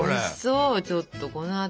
ちょっとこのあと。